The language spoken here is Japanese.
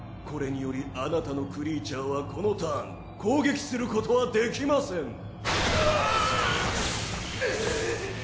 これによりあなたのクリーチャーはこのターン攻撃することはできません。